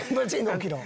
起きろ。